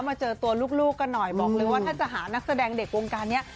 มาเจอตัวลูกกันหน่อยบอกเลยว่าถ้าจะหานักแสดงเด็กวงการนี้